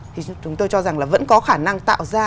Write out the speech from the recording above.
thì chúng tôi cho rằng là vẫn có khả năng tạo ra